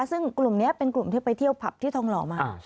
ซึ่งกลุ่มนี้เป็นกลุ่มที่ไปเที่ยวผับที่ทองหล่อมา